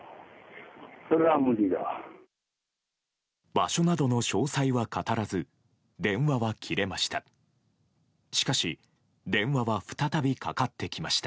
場所などの詳細は語らず電話は切れました。